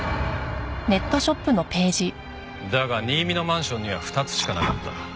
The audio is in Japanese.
だが新見のマンションには２つしかなかった。